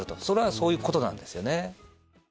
それはそういうことなんです。